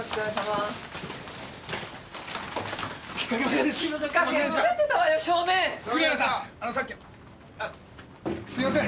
すいません。